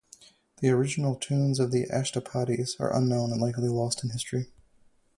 The original tunes of the ashtapadis are unknown and likely lost in history.